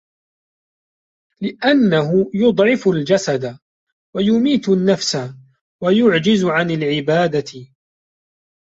لِأَنَّهُ يُضْعِفُ الْجَسَدَ وَيُمِيتُ النَّفْسَ وَيُعْجِزُ عَنْ الْعِبَادَةِ